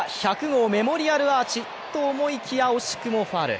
１００号メモリアルアーチと思いきや、惜しくもファウル。